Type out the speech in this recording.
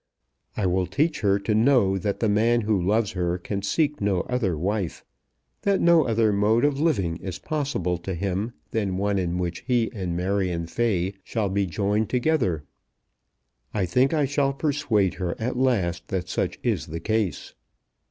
I will teach her to know that the man who loves her can seek no other wife; that no other mode of living is possible to him than one in which he and Marion Fay shall be joined together. I think I shall persuade her at last that such is the case.